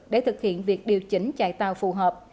để thực hiện việc điều chỉnh chạy tàu phù hợp